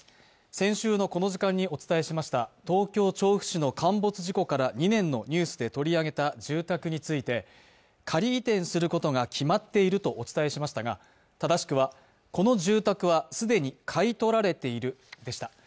先週のこの時間にお伝えしました東京・調布市の陥没事故から２年のニュースで取り上げた住宅について、仮移転することが決まっているとお伝えしましたが正しくはこの住宅は既に買い取られているでした。